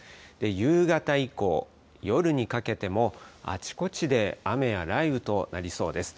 夕方以降、夜にかけても、あちこちで雨や雷雨となりそうです。